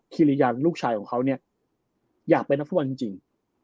ริยาลูกชายของเขาเนี่ยอยากเป็นนักฟุตบอลจริง